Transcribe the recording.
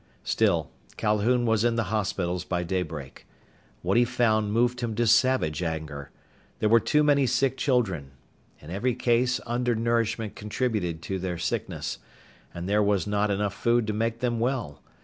Still, Calhoun was in the hospitals by daybreak. What he found moved him to savage anger. There were too many sick children. In every case undernourishment contributed to their sickness. And there was not enough food to make them well.